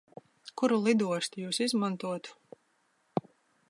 Kuru lidostu Jūs izmantotu?